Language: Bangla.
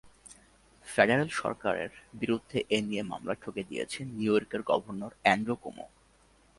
ফেডারেল সরকারের বিরুদ্ধে এ নিয়ে মামলা ঠুকে দিয়েছেন নিউইয়র্কের গভর্নর অ্যান্ড্রু কুমো।